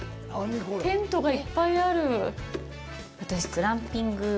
テントがいっぱいある！